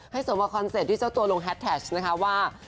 ให้เสริมมาคอนเซ็ปต์พี่เจ้าตัวลงแฮดแทชจะว่า